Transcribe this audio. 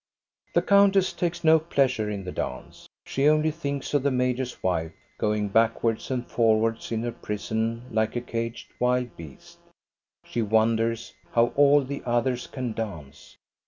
The countess takes no pleasure in the dance. She only thinks of the major's wife going backwards and .forwards in her prison like a caged wild beast. She wonders how all the others can dance.